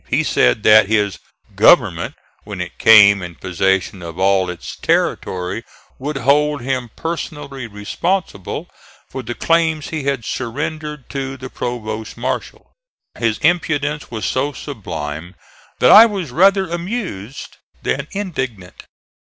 He said that his "government," when it came in possession of all its territory, would hold him personally responsible for the claims he had surrendered to the provost marshal. His impudence was so sublime that I was rather amused than indignant.